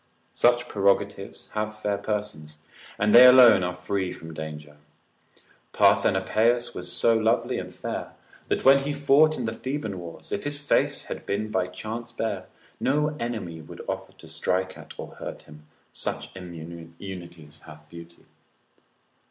Such prerogatives have fair persons, and they alone are free from danger. Parthenopaeus was so lovely and fair, that when he fought in the Theban wars, if his face had been by chance bare, no enemy would offer to strike at or hurt him, such immunities hath beauty.